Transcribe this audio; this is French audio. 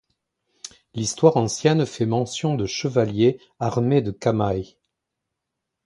L’histoire ancienne fait mention de chevaliers armés de camails.